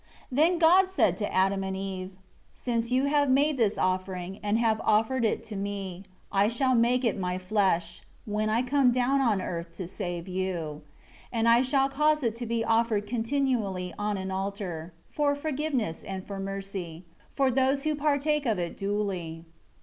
12 Then God said to Adam and Eve, "Since you have made this offering and have offered it to Me, I shall make it My flesh, when I come down on earth to save you; and I shall cause it to be offered continually on an altar, for forgiveness and for mercy, for those who partake of it duly."